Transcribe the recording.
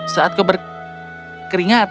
saat kau berkeringat